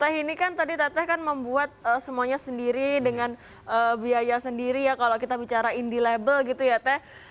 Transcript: teh ini kan tadi teteh kan membuat semuanya sendiri dengan biaya sendiri ya kalau kita bicara indilable gitu ya teh